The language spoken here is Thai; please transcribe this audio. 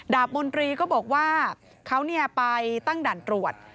บนตรีก็บอกว่าเขาไปตั้งด่านตรวจ